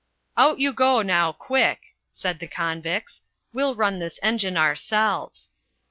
"Out you go now, quick!" said the convicts; "we'll run this engine ourselves."